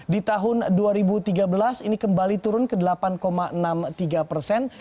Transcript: di tahun dua ribu tiga belas ini kembali turun ke delapan enam puluh tiga persen